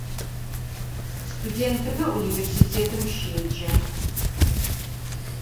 Студентыбэ унивэрситэтым щеджэ.